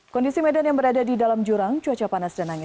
kondisi medan yang berada di dalam jurang cuaca panas dan angin